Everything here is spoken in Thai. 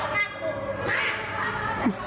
อ้าว